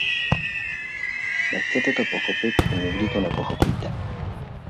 Nechcete to pochopit, a nikdy to nepochopíte.